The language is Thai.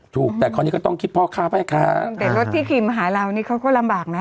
ถูกแต่คราวนี้ก็ต้องคิดพ่อค้าพ่อค้าแต่รถที่ขี่มาหาเรานี่เขาก็ลำบากนะ